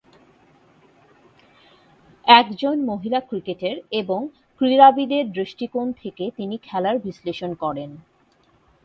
একজন মহিলা ক্রিকেটের এবং ক্রীড়াবিদের দৃষ্টিকোণ থেকে তিনি খেলার বিশ্লেষণ করেন।